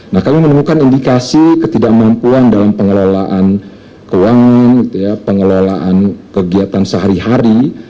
nah kami menemukan indikasi ketidakmampuan dalam pengelolaan keuangan pengelolaan kegiatan sehari hari